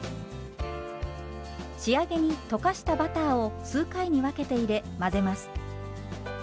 仕上げに溶かしたバターを数回に分けて入れ混ぜます。